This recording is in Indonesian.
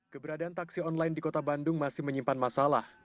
keberadaan taksi online di kota bandung masih menyimpan masalah